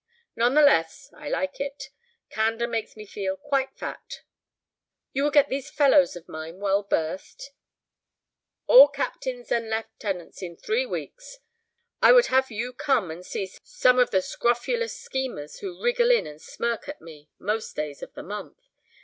None the less, I like it. Candor makes me feel quite fat." "You will get these fellows of mine well berthed?" "All captains and lieutenants in three weeks! I would have you come and see some of the scrofulous schemers who wriggle in and smirk at me—most days of the month.